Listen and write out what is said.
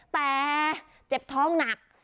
แต่เจ็บท้องหนัก